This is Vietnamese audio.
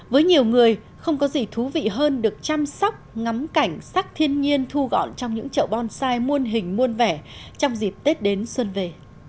với nhiều người không có gì thú vị hơn được chăm sóc ngắm cảnh sắc thiên nhiên thu gọn trong những chậu bonsai muôn hình muôn vẻ trong dịp tết đến xuân về